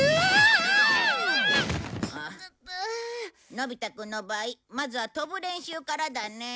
のび太くんの場合まずは跳ぶ練習からだね。